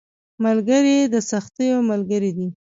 ملګری د سختیو ملګری دی